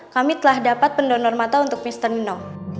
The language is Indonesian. kami telah dapat pendonor mata untuk mr nino